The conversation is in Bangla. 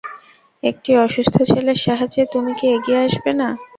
একটি অসুস্থ ছেলের সাহায্যে তুমি কি এগিয়ে আসবে না?